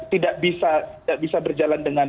tidak bisa berjalan dengan